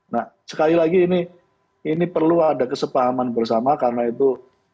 nah sekali lagi ini perlu ada kesepahaman bersama karena itu